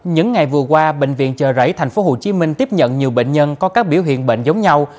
những ngày vừa qua bệnh viện chợ rẫy tp hcm tiếp nhận nhiều bệnh nhân có các biểu hiện bệnh giống nhau